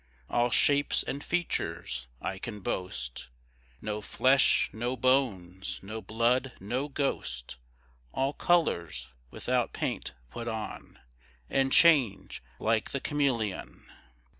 All shapes and features I can boast, No flesh, no bones, no blood no ghost: All colours, without paint, put on, And change like the cameleon.